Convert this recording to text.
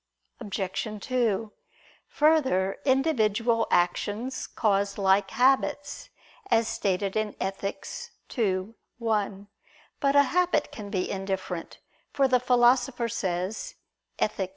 Obj. 2: Further, individual actions cause like habits, as stated in Ethic. ii, 1. But a habit can be indifferent: for the Philosopher says (Ethic.